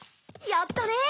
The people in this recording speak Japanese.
やったー！